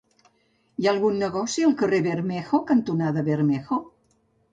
Hi ha algun negoci al carrer Bermejo cantonada Bermejo?